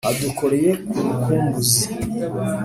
adukoreye ku rukumbuzi